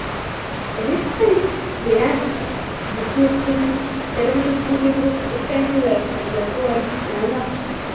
Herritarrei behar dituzten zerbitzu publikoak eskaintzea da kontzejuen lana.